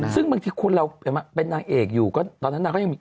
ซึ่งบางทีคนเราเป็นนางเอกอยู่ก็ตอนนั้นนางก็ยังมี